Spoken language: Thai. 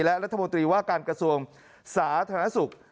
และรัฐมนตรีว่าการกระทรวงสาธารณสุข